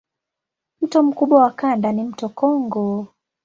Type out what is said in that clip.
Mto mkubwa wa kanda ni mto Kongo.